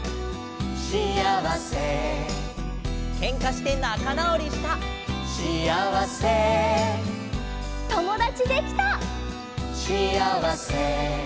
「シアワセ」「ケンカしてなかなおりした」「シアワセ」「ともだちできた」「シアワセ」